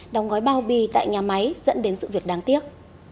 đóng gói bao bì tại nhà máy dẫn đến sự việc đáng tiếc